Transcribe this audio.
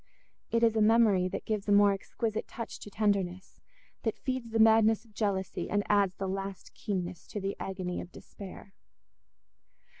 It is a memory that gives a more exquisite touch to tenderness, that feeds the madness of jealousy and adds the last keenness to the agony of despair.